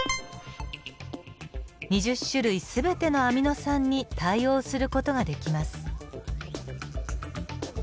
２０種類全てのアミノ酸に対応する事ができます。